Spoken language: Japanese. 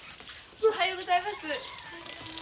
おはようございます。